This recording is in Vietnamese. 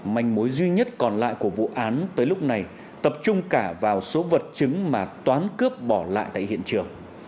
manh mối duy nhất còn lại của vụ án tới lúc này tập trung cả vào số vật chứng mà toán cướp bỏ lại tại hiện trường